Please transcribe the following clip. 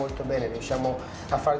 kita bisa membuat lawan yang salah